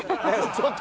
ちょっと。